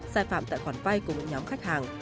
sai phạm tại khoản vay của một nhóm khách hàng